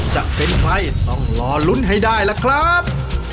จะเป็นใครต้องรอลุ้นให้ได้ล่ะครับ